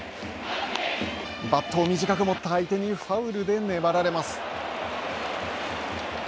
バットを短く持った相手にファウルで粘られます。